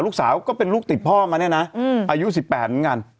ลูกสาวก็เป็นลูกติดพ่อได้อายุ๑๘เหมือนกัน